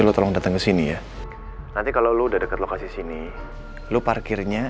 lo tolong datang ke sini ya nanti kalau udah dekat lokasi sini lu parkirnya